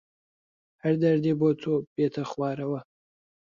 هەر دەردێ بۆ تۆ بێتە خوارەوە